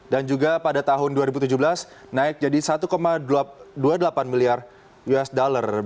dan juga pada tahun dua ribu tujuh belas naik jadi satu dua puluh delapan miliar usd